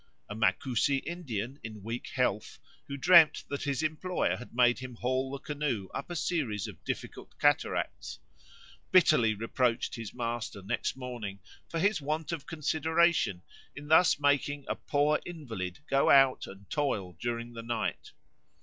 A Macusi Indian in weak health, who dreamed that his employer had made him haul the canoe up a series of difficult cataracts, bitterly reproached his master next morning for his want of consideration in thus making a poor invalid go out and toil during the night.